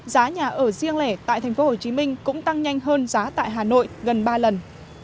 giá nhà ở riêng lẻ tại tp hcm cũng tăng nhanh hơn giá tại hà nội gần ba lần